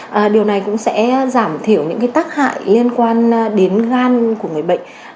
và điều này cũng sẽ giảm thiểu những cái tác hại liên quan đến gan của người bệnh